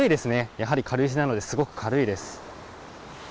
やはり軽石なので、すごく軽いです。